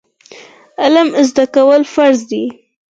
علم زده کول فرض دي